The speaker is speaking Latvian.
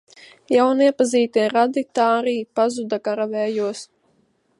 Jauniepazītie radi tā arī pazūd kara vējos.